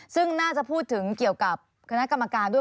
ซึ่งน่าจะพูดถึงเกี่ยวกับคณะกรรมการด้วย